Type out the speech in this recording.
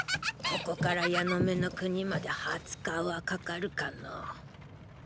ここからヤノメの国まで２０日はかかるかのう。